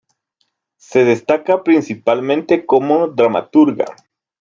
Se destaca principalmente como dramaturga.